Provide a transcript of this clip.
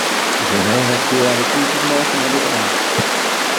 Genève acquiert définitivement son indépendance.